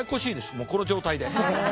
もうこの状態で。